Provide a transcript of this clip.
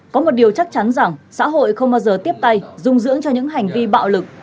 có một điều chắc chắn rằng xã hội không bao giờ tiếp tay dung dưỡng cho những hành vi bạo lực